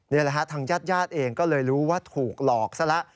นี่แหละฮะทางญาติญาติเองก็เลยรู้ว่าถูกหลอกซะแล้ว